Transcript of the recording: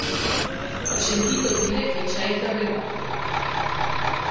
Ho sentito dire che c'è il terremoto.